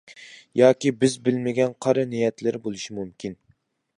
ياكى بىز بىلمىگەن قارا نىيەتلىرى بولۇشى مۇمكىن.